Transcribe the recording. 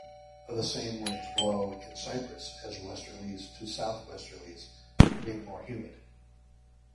The same winds blow in Cyprus as westerlies to southwesterlies, being more humid.